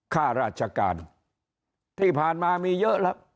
ข้าราชการที่ผ่านมามีเยอะแล้ว